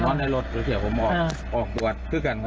แต่ในรถเขาอยู่ให้สนุก